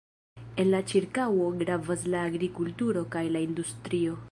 En la ĉirkaŭo gravas la agrikulturo kaj la industrio.